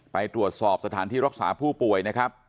ไปตรวจสอบสถานที่รักษาผู้ป่วยนะครับ